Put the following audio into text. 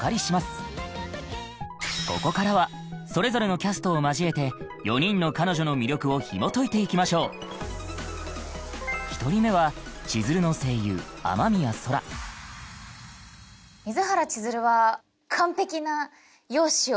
ここからはそれぞれのキャストを交えて４人の彼女の魅力をひもといていきましょう１人目は千鶴の声優はい。